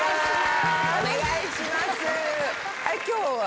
お願いします。